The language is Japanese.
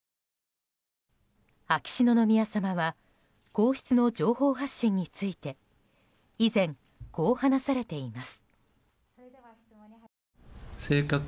秋篠宮さまは皇室の情報発信について以前、こう話されています。